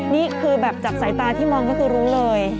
นี่คือแบบจากสายตาที่มองก็คือรู้เลย